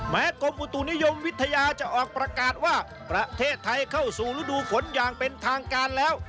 กรมอุตุนิยมวิทยาจะออกประกาศว่าประเทศไทยเข้าสู่ฤดูฝนอย่างเป็นทางการแล้ว